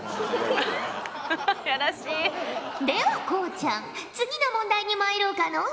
ではこうちゃん次の問題にまいろうかのう。